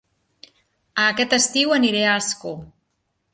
Aquest estiu aniré a Ascó